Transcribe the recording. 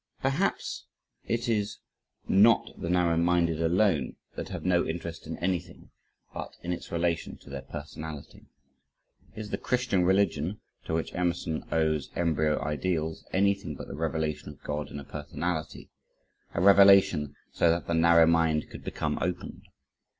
Perhaps it is not the narrow minded alone that have no interest in anything, but in its relation to their personality. Is the Christian Religion, to which Emerson owes embryo ideals, anything but the revelation of God in a personality a revelation so that the narrow mind could become opened?